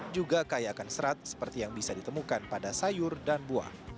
juga kayakan syarat seperti yang bisa ditemukan pada sayur dan buah